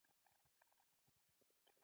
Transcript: که ټکټ یې پرې ولګولو.